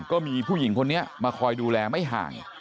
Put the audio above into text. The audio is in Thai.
ก็มีผู้หญิงคนนี้มาคอยดูแลไม่ห่าง